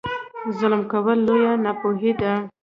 ظلم کول لویه ناپوهي ده.